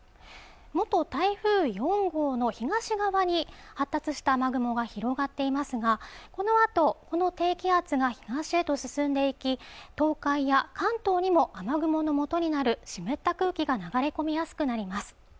元台風４号の東側に発達した雨雲が広がっていますがこのあとこの低気圧が東へと進んでいき東海や関東にも雨雲のもとになる湿った空気が流れ込みやすくなります